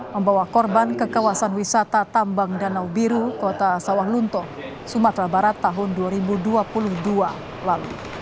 membawa korban ke kawasan wisata tambang danau biru kota sawah lunto sumatera barat tahun dua ribu dua puluh dua lalu